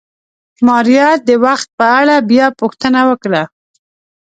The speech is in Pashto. ماريا د وخت په اړه بيا پوښتنه وکړه.